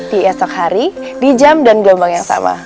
di esok hari di jam dan gelombang yang sama